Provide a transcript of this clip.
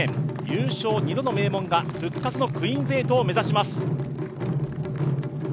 優勝２度の名門が復活のクイーンズ８を目指します。